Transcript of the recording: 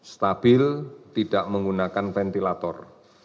stabil tidak menggunakan ventilator